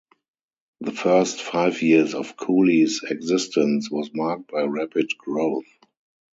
The first five years of Cooley's existence was marked by rapid growth.